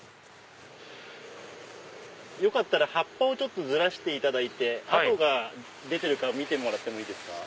よかったら葉っぱをずらしていただいて跡が出てるか見てもらってもいいですか？